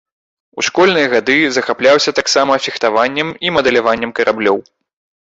У школьныя гады захапляўся таксама фехтаваннем і мадэляваннем караблёў.